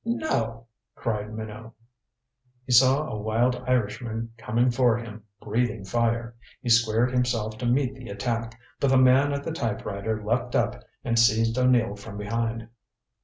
"No," cried Minot. He saw a wild Irishman coming for him, breathing fire. He squared himself to meet the attack! But the man at the typewriter leaped up and seized O'Neill from behind.